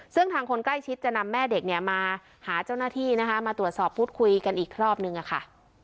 ซึ่งทางคนใกล้ชิดจะนำแม่เด็กเนี่ยมาหาเจ้าหน้าที่นะคะมาตรวจสอบพูดคุยกันอีกรอบนึงค่ะ